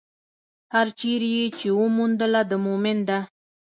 هره چېرې يې چې وموندله، د مؤمن ده.